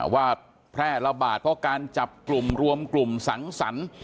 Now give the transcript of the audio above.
แพร่ระบาดเพราะการจับกลุ่มรวมกลุ่มสังสรรค์